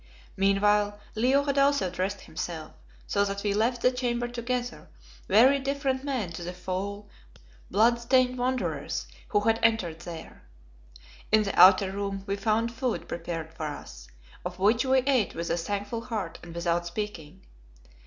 Meanwhile Leo had also dressed himself, so that we left the chamber together very different men to the foul, blood stained wanderers who had entered there. In the outer room we found food prepared for us, of which we ate with a thankful heart and without speaking.